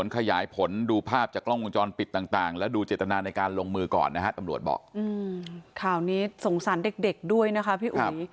ข่าวนี้สงสารเด็กด้วยนะคะพี่อุ๋ย